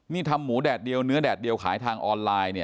นี่ทำหมูแดดเดียวเนื้อแดดเดียวขายทางออนไลน์เนี่ย